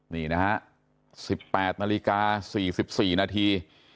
นี่นะฮะ๑๘นาฬิกา๔๔นาที